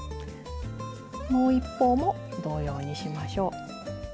もう一方も同様にしましょう。